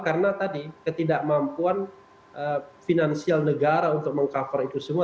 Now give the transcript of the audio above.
karena tadi ketidakmampuan finansial negara untuk mengcover itu semua